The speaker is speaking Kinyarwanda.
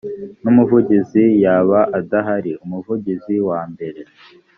n umuvugizi yaba adahari umuvugizi wa mbere